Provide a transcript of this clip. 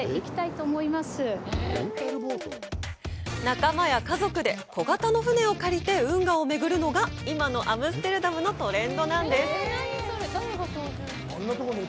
仲間や家族で小型の舟を借りて運河をめぐるのが今のアムステルダムのトレンド！